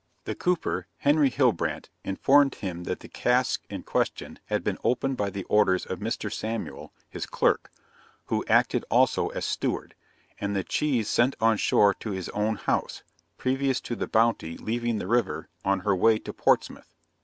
The cooper, Henry Hillbrant, informed him that the cask in question had been opened by the orders of Mr. Samuel, his clerk, who acted also as steward, and the cheese sent on shore to his own house, previous to the Bounty leaving the river on her way to Portsmouth.